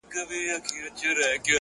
زما زما د ژوند لپاره ژوند پرې ايښی